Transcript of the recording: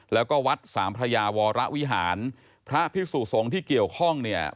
แล้วก็วัดสามพระยาวรวิหารพระพิสุสงฆ์ที่เกี่ยวข้องเนี่ย